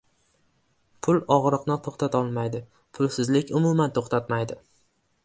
• Pul og‘riqni to‘xtatolmaydi, pulsizlik umuman to‘xtatmaydi.